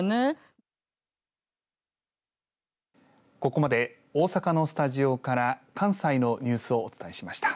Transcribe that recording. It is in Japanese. ここまで大阪のスタジオから関西のニュースをお伝えしました。